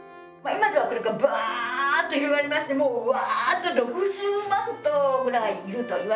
今ではこれがバッと広がりましてもうわあっと６０万頭ぐらいいるといわれてます。